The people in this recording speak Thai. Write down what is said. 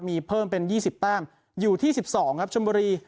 มีเพิ่มเป็นยี่สิบแต้มอยู่ที่สิบสองครับชมบุรี